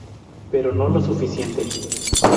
Pero no lo suficiente.